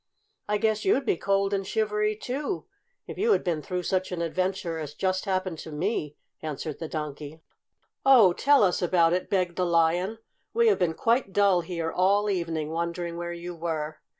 "I guess you'd be cold and shivery, too, if you had been through such an adventure as just happened to me!" answered the Donkey. "Oh, tell us about it!" begged the Lion. "We have been quite dull here all evening, wondering where you were."